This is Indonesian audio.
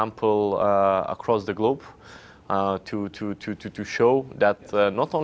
untuk menunjukkan bahwa bukan hanya perlindungan